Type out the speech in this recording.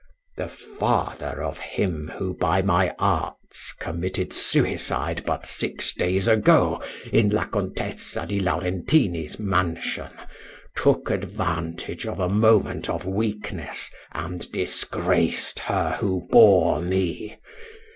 "The father of him who by my arts committed suicide but six days ago in La Contessa di Laurentini's mansion, took advantage of a moment of weakness, and disgraced her who bore me.